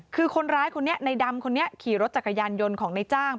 คือคนร้ายคนนี้ในดำคนนี้ขี่รถจักรยานยนต์ของในจ้าง